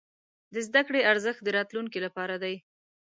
د زده کړې ارزښت د راتلونکي لپاره دی.